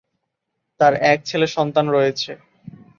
তার এক ছেলে সন্তান রয়েছে।